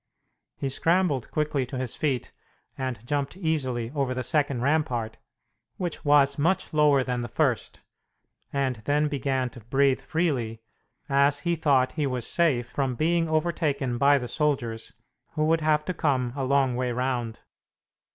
He scrambled quickly to his feet and jumped easily over the second rampart, which was much lower than the first, and then began to breathe freely, as he thought he was safe from being overtaken by the soldiers, who would have to come a long way round.